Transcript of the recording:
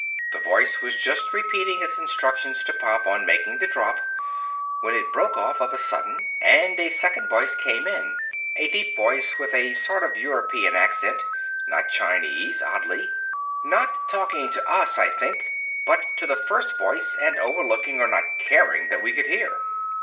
The voice was just repeating its instructions to Pop on making the drop, when it broke off of a sudden and a second voice came in, a deep voice with a sort of European accent (not Chinese, oddly) not talking to us, I think, but to the first voice and overlooking or not caring that we could hear.